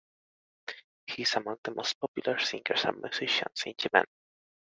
He is among the most popular singers and musicians in Yemen.